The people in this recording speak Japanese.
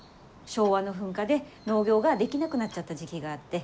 昭和の噴火で農業ができなくなっちゃった時期があって。